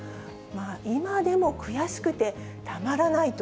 今でも悔しくてたまらないと。